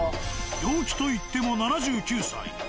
陽気といっても７９歳。